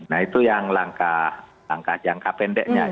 nah itu yang langkah jangka pendeknya